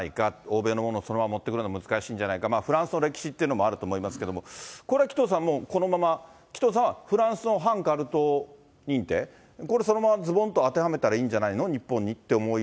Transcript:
欧米のものをそのままもってくるのは難しいんじゃないかって、フランスの歴史っていうのもあると思いますけども、これ、紀藤さん、このまま紀藤さんはフランスの反カルト認定、これ、そのままずぼんと当てはめたらいいんじゃないの？